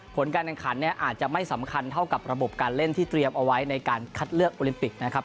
ผลการแข่งขันเนี่ยอาจจะไม่สำคัญเท่ากับระบบการเล่นที่เตรียมเอาไว้ในการคัดเลือกโอลิมปิกนะครับ